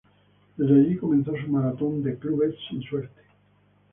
Desde allí comenzó su maratón de clubes sin suerte.